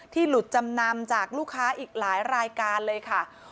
หลุดจำนำจากลูกค้าอีกหลายรายการเลยค่ะ